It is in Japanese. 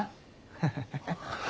ハハハハ。